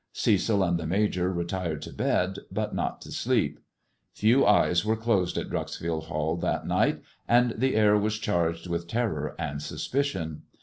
Cecil and the retired to bed, but not to sleep. Few eyes were ol Dreuxfield Hall that night, and the air was charged 11 terror and suspicion.